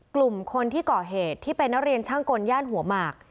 กลุ่มคนที่ก่อเหตุที่เป็นนักเรียนช่างกลย่านหัวหมาก